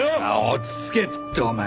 落ち着けってお前。